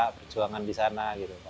perjuangan di sana